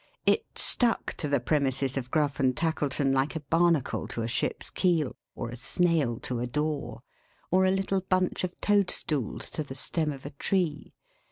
It stuck to the premises of Gruff and Tackleton, like a barnacle to a ship's keel, or a snail to a door, or a little bunch of toadstools to the stem of a tree.